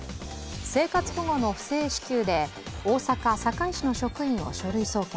生活保護の不正支給で大阪堺市の職員を書類送検。